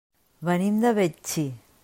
Venim de Betxí.